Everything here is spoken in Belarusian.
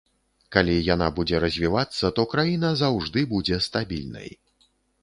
Калі яна будзе развівацца, то краіна заўжды будзе стабільнай.